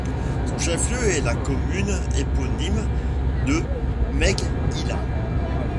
Son chef lieu est la commune éponyme de Meghila.